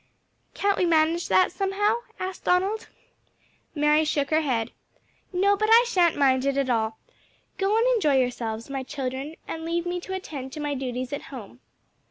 "Can't we manage that somehow?" asked Donald. Mary shook her head. "No; but I shan't mind it at all. Go and enjoy yourselves, my children, and leave me to attend to my duties at home."